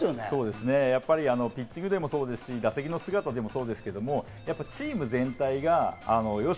そうですね、ピッチングでもそうですし、打席での姿もそうですけど、チーム全体がよし！